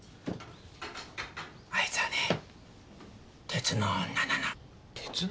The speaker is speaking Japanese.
あいつはね鉄の女なの。